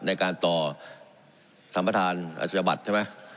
ในการต่อสามทานอาชาบัติใช่ไหม